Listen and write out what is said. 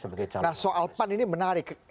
nah soal pan ini menarik